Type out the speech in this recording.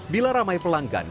bila ramai pelanggan